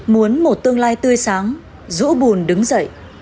muốn một tương lai tươi sáng dũ bùn đứng dậy